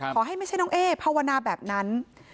ไม่ใช่น้องเอ๊ภาวนาแบบนั้น